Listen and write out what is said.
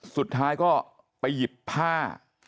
สุดท้ายก็ไปหยิบผ้า